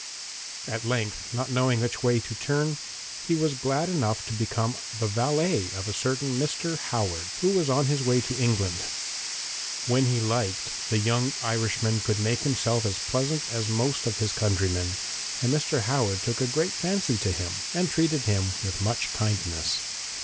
At length, not knowing which way to turn, he was glad enough to become the valet of a certain Mr. Howard, who was on his way to England. When he liked, the young Irishman could make himself as pleasant as most of his countrymen, and Mr. Howard took a great fancy to him, and treated him with much kindness.